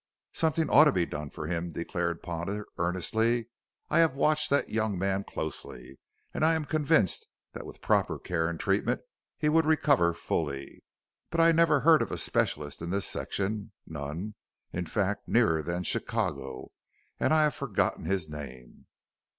"Something ought to be done for him," declared Potter earnestly. "I have watched that young man closely and I am convinced that with proper care and treatment he would recover fully. But I never heard of a specialist in this section none, in fact, nearer than Chicago. And I've forgotten his name."